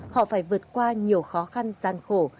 họ phải vượt qua nhiều khó khăn gian khổ